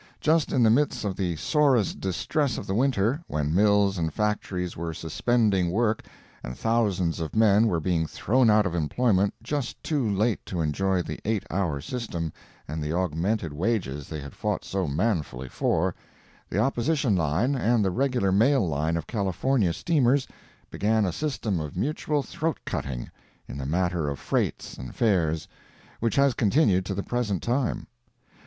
Just in the midst of the sorest distress of the winter, when mills and factories were suspending work and thousands of men were being thrown out of employment just too late to enjoy the eight hour system and the augmented wages they had fought so manfully for, the Opposition line and the regular mail line of California steamers began a system of mutual throat cutting, in the matter of freights and fares, which has continued to the present time.